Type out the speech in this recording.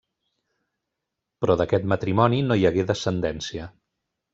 Però d'aquest matrimoni no hi hagué descendència.